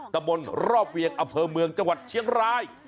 ตะบนรอบเวียงอำเภอเมืองจังหวัดเชียงราย